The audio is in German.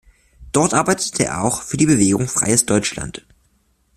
Dort arbeitete er auch für die Bewegung Freies Deutschland.